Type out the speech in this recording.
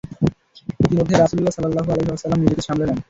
ইতোমধ্যে রাসূল সাল্লাল্লাহু আলাইহি ওয়াসাল্লাম নিজেকে সামলে নেন।